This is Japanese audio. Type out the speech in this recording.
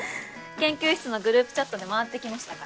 研究室のグループチャットで回ってきましたから。